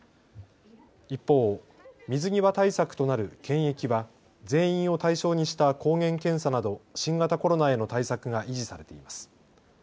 一方、水際対策となる検疫は全員を対象にした抗原検査など新型コロナへの対策が維持されています。